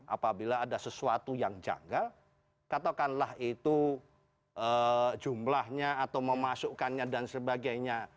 apabila ada sesuatu yang janggal katakanlah itu jumlahnya atau memasukkannya dan sebagainya